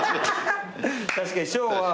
確かに賞は。